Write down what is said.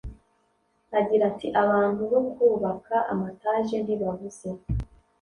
Agira ati “Abantu bo kubaka amataje ntibabuze